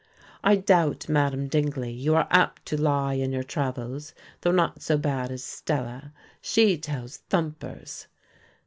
"I doubt, Madam Dingley, you are apt to lie in your travels, though not so bad as Stella; she tells thumpers."